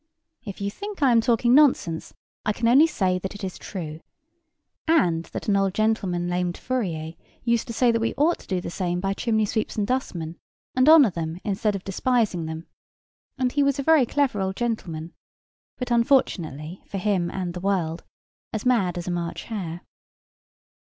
If you think I am talking nonsense, I can only say that it is true; and that an old gentleman named Fourier used to say that we ought to do the same by chimney sweeps and dustmen, and honour them instead of despising them; and he was a very clever old gentleman: but, unfortunately for him and the world, as mad as a March hare.